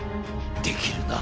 できるな？